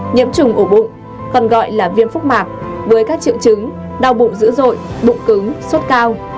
nhiễm trùng ổ bụng còn gọi là viêm phúc mạc với các triệu chứng đau bụng dữ dội bụng cứng sốt cao